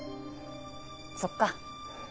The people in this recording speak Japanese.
そっか。